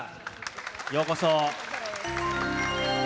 ようこそ。